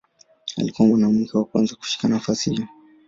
Alikuwa mwanamke wa kwanza kushika nafasi hiyo.